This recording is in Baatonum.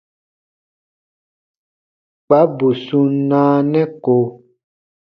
Kpa bù sun naanɛ ko.